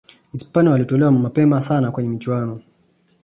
hispania walitolewa nmapema sana kwenye michuano